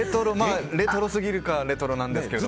レトロすぎるかレトロなんですけど。